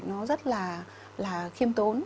nó rất là khiêm tốn